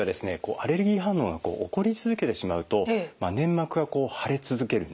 アレルギー反応が起こり続けてしまうと粘膜が腫れ続けるんですよね。